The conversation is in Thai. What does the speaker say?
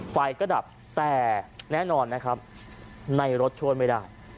ไฟก็ดับแต่แน่นอนนะครับในรถช่วยไม่ได้